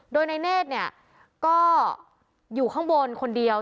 โดยนายเนธเนี่ยก็อยู่ข้างบนคนเดียว